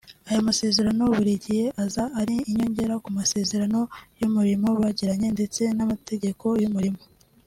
Aya masezerano buri gihe aza ari inyongera ku masezerano y’umurimo bagiranye ndetse n’amategeko y’umurimo